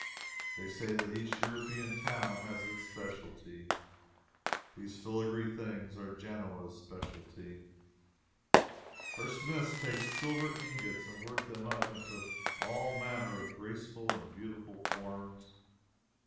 They say that each European town has its specialty. These filagree things are Genoa's specialty. Her smiths take silver ingots and work them up into all manner of graceful and beautiful forms.